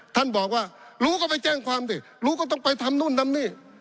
ท่านบอกว่ารู้ก็ไปแจ้งความสิรู้ก็ต้องไปทำนู่นทำนี่